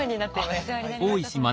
お世話になりました